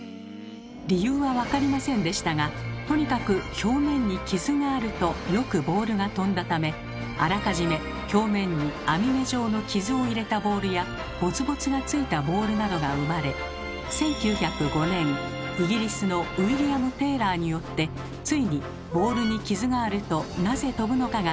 理由は分かりませんでしたがとにかく表面に傷があるとよくボールが飛んだためあらかじめ表面に網目状の傷を入れたボールやボツボツがついたボールなどが生まれ１９０５年イギリスのウィリアム・テーラーによってついにボールに傷があるとなぜ飛ぶのかが解明されました。